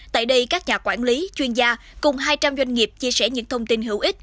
tại đây các nhà quản lý chuyên gia cùng hai trăm linh doanh nghiệp chia sẻ những thông tin hữu ích